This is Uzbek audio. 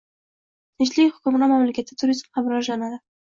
Tinchlik hukmron mamlakatda turizm ham rivojlanadi